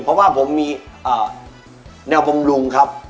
เพราะว่าผมมีแนวบำรุงครับ